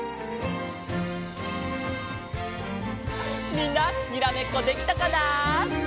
みんなにらめっこできたかな？